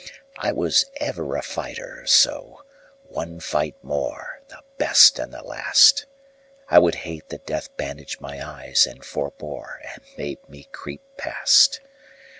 I was ever a fighter, so—one fight more. The best and the last! I would hate that death bandaged my eyes, and forebore, And bade me creep past.